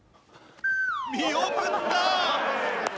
見送った！